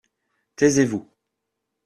Taisez-vous.